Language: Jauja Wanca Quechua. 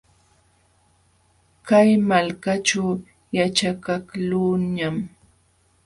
Kay malkaćhu yaćhakaqluuñam.